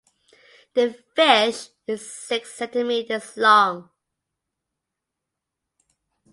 The fish is six centimeters long.